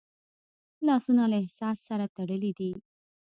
لاسونه له احساس سره تړلي دي